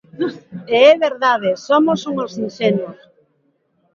E é verdade: somos uns inxenuos.